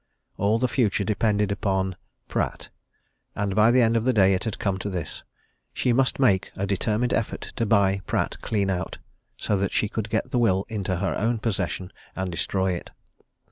All the future depended upon Pratt. And by the end of the day it had come to this she must make a determined effort to buy Pratt clean out, so that she could get the will into her own possession and destroy it.